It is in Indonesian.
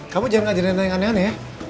kamu jangan ngajarin anda yang aneh aneh ya